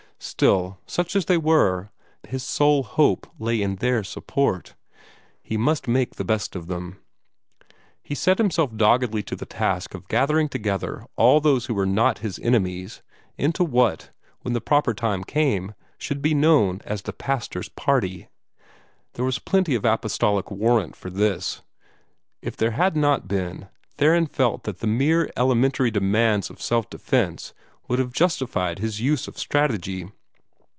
Still, such as they were, his sole hope lay in their support. He must make the best of them. He set himself doggedly to the task of gathering together all those who were not his enemies into what, when the proper time came, should be known as the pastor's party. There was plenty of apostolic warrant for this. If there had not been, Theron felt that the mere elementary demands of self defence would have justified his use of strategy.